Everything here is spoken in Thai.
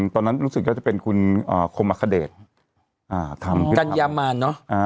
ตอนนั้นรู้สึกก็จะเป็นคุณอ่าโคมะขเดชอ่าทำกัญญามารเนอะอ่า